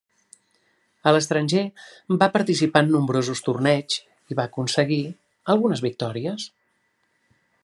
A l'estranger, va participar en nombrosos torneigs, i va aconseguir algunes victòries.